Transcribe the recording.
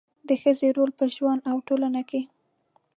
د ښځې رول په ژوند او ټولنه کې